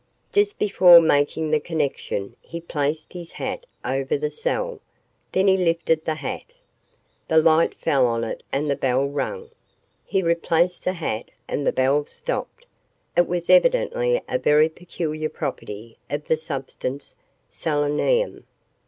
Just before making the connection he placed his hat over the cell. Then he lifted the hat. The light fell on it and the bell rang. He replaced the hat and the bell stopped. It was evidently a very peculiar property of the substance, selenium.